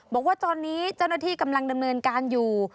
บอกว่าตอนนี้เจ้าหน้าที่กำลังดำเนินการอยู่